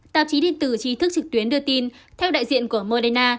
tạp chí điện tử trí thức trực tuyến đưa tin theo đại diện của moderna